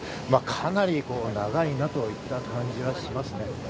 かなり長いなといった感じがします。